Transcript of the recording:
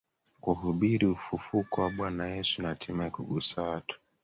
kuhubiri ufufuko wa Bwana Yesu na hatimaye kugusa watu